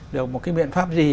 được một cái biện pháp gì